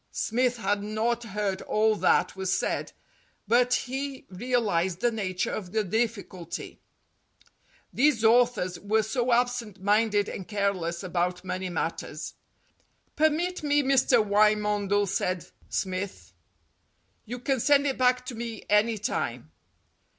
Smith had not heard all that was said, but he real ized the nature of the difficulty. These authors were so absent minded and careless about money matters. "Permit me, Mr. Wymondel," said Smith. "You can send it back to me any time."